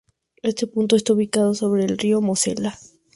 Este punto está ubicado sobre el río Mosela.